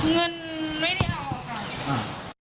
เงินไม่ได้เอาค่ะ